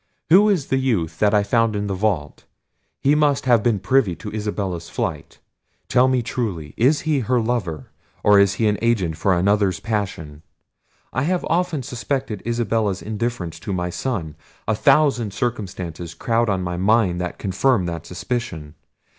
Who is the youth that I found in the vault? He must have been privy to Isabella's flight: tell me truly, is he her lover? or is he an agent for another's passion? I have often suspected Isabella's indifference to my son: a thousand circumstances crowd on my mind that confirm that suspicion.